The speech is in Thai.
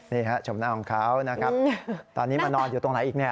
นี่ฮะชมหน้าของเขานะครับตอนนี้มานอนอยู่ตรงไหนอีกเนี่ย